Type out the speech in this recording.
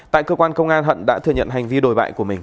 tại cơ quan công an hận đã thừa nhận hành vi đồi bại của mình